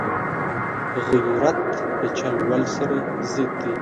غیرت له چل ول سره ضد دی